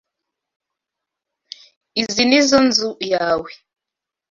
Izi ni zo nzu yawe.